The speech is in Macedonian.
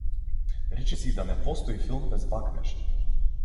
Речиси и да не постои филм без бакнеж.